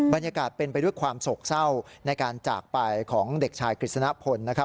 บรรยากาศเป็นไปด้วยความโศกเศร้าในการจากไปของเด็กชายกฤษณพลนะครับ